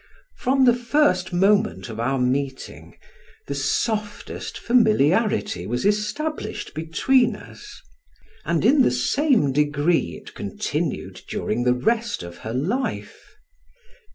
From the first moment of our meeting, the softest familiarity was established between us: and in the same degree it continued during the rest of her life.